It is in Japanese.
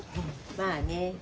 まあね。